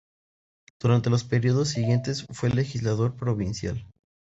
Durante los períodos siguientes fue legislador provincial.